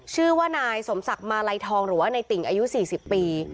ชื่อว่านายสมศักดิ์มาลัยทองหรือว่าในติ่งอายุ๔๐ปี